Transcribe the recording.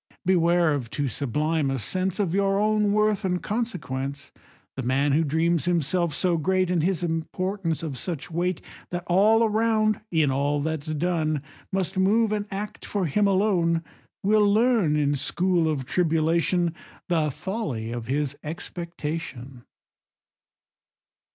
Beware of too sublime a sense Of your own worth and consequence: The man who dreams himself so great, And his importance of such weight, That all around, in all that's done, Must move and act for him alone, Will learn in school of tribulation The folly of his expectation.